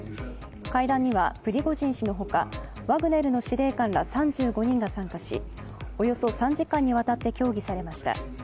会談にはプリゴジン氏のほかワグネルの司令官ら３５人が参加し、およそ３時間にわたって協議されました。